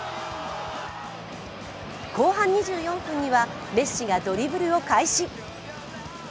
後半２４分には、メッシがドリブルを開始。